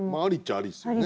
ありですよね。